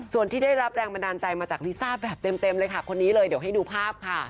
ส่วนที่ได้รับแรงบันดาลใจมาจากลิซ่าแบบเต็มเลยค่ะคนนี้เลยเดี๋ยวให้ดูภาพค่ะ